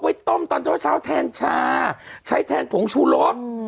ไว้ต้มตอนเจ้าเช้าแทนชาใช้แทนผงชูโลก